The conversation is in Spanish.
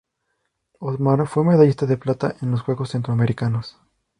Osmar fue medallista de plata en los Juegos Centroamericanos.